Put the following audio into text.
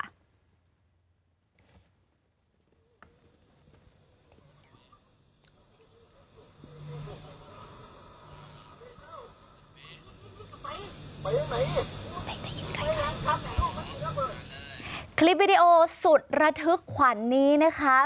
ไปไปยังไหนไปได้ยินไกลได้คลิปวิดีโอสุดระทึกขวันนี้นะคะ